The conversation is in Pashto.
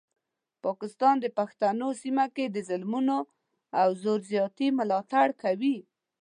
پاکستان د پښتنو سیمه کې د ظلمونو او زور زیاتي ملاتړ کوي.